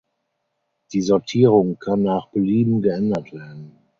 Die Sortierung kann nach Belieben geändert werden.